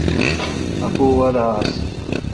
اّپوُاے°وادہ آس۔